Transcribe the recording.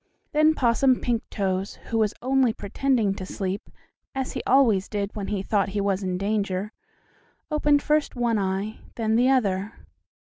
Then Possum Pinktoes, who was only pretending to sleep, as he always did when he thought he was in danger, opened first one eye, then the other.